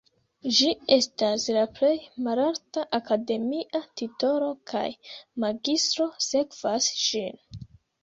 Ĝi estas la plej malalta akademia titolo kaj magistro sekvas ĝin.